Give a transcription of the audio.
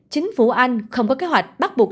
chính phủ anh không có kế hoạch bắt buộc